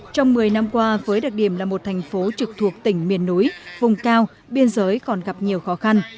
trong một mươi năm qua với đặc điểm là một thành phố trực thuộc tỉnh miền núi vùng cao biên giới còn gặp nhiều khó khăn